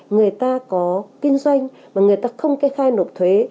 người ta có kinh doanh mà người ta không kê khai nộp thuế